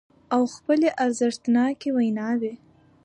او خپلې ارزښتناکې ويناوې